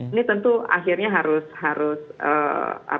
ini tentu akhirnya harus kita kubur begitu ya